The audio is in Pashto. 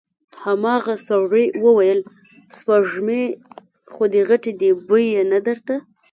هماغه سړي وويل: سپږمې خو دې غټې دې، بوی يې نه درته؟